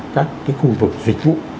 các cái khu vực dịch vụ